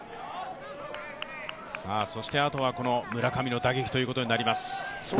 そしてあとは、この村上の打撃ということになります。